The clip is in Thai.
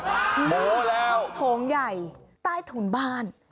โอ้โหแล้วโถงใหญ่ใต้ถุนบ้าน